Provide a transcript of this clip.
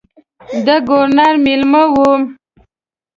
د ګورنر مېلمه وم.